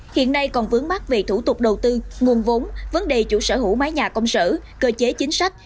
hiện nay còn vướng mắt về thủ tục đầu tư nguồn vốn vấn đề chủ sở hữu mái nhà công sở cơ chế chính sách